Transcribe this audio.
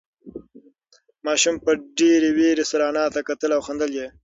ماشوم په ډېرې وېرې سره انا ته کتل او خندل یې.